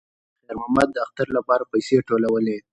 خیر محمد د اختر لپاره پیسې ټولولې.